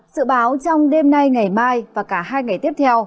sự báo trong đêm nay ngày mai và cả hai ngày tiếp theo